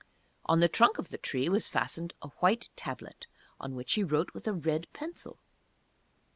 On the trunk of the tree was fastened a white Tablet, on which he wrote with a red pencil.